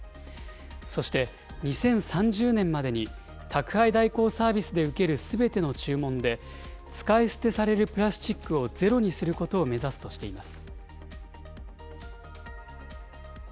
そして、２０３０年までに、宅配代行サービスで受けるすべての注文で、使い捨てされるプラスチックをゼロにすることを目指すとしています。